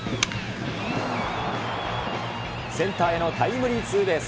センターへのタイムリーツーベース。